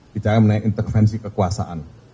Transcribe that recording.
bicara mengenai intervensi kekuasaan